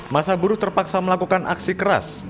masa buruh terpaksa melakukan aksi keras